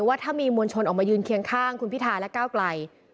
ว่าถ้ามีมวลชนออกมายืนเคียงข้างคุณพิทาและก้าวไกล